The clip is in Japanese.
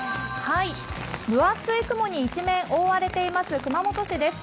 分厚い雲に一面覆われています、熊本市です。